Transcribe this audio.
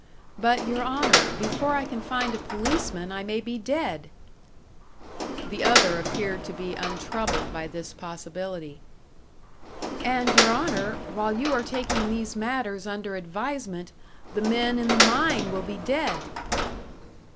"But, your Honour, before I can find a policeman I may be dead!" The other appeared to be untroubled by this possibility. "And, your Honour, while you are taking these matters under advisement, the men in the mine will be dead!"